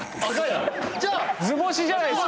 図星じゃないですか。